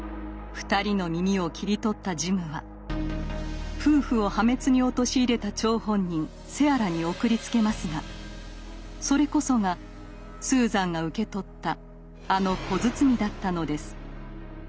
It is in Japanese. ２人の耳を切り取ったジムは夫婦を破滅に陥れた張本人セアラに送りつけますがそれこそがスーザンが受け取ったあの小包だったのです。